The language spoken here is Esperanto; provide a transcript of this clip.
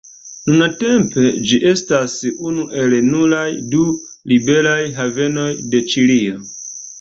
Nuntempe ĝi estas unu el nuraj du liberaj havenoj de Ĉilio.